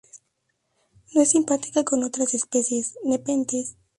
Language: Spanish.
No es simpátrica con otras especies "Nepenthes".